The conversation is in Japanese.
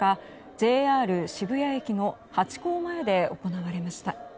ＪＲ渋谷駅のハチ公前で行われました。